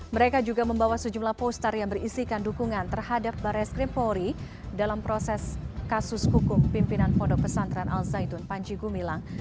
mereka juga membawa sejumlah poster yang berisikan dukungan terhadap barres krimpori dalam proses kasus hukum pimpinan pondok pesantren al zaitun panji gumilang